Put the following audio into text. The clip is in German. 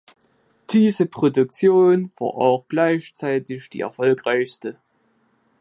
Diese Produktion war auch gleichzeitig die erfolgreichste.